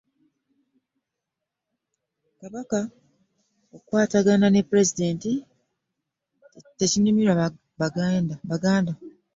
Kabaka okukwatagana ne pulezidenti tekinyumira baganda.